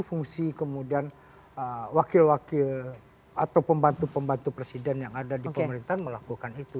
fungsi kemudian wakil wakil atau pembantu pembantu presiden yang ada di pemerintahan melakukan itu